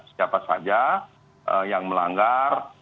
siapa saja yang melanggar